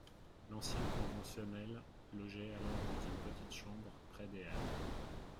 L'ancien conventionnel logeait alors dans une petite chambre près des halles.